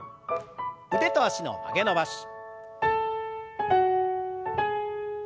腕と脚の曲げ伸ばし。